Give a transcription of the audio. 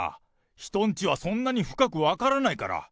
人んちはそんなに深く分からないから。